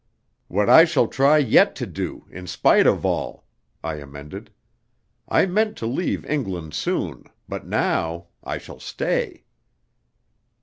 "What I shall try yet to do, in spite of all," I amended. "I meant to leave England soon, but now I shall stay."